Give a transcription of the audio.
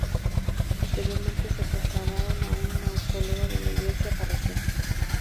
Posteriormente se trasladaron a un mausoleo de la iglesia parroquial.